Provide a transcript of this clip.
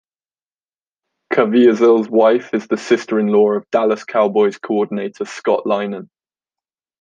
Caviezel's wife is the sister-in-law of Dallas Cowboys coordinator Scott Linehan.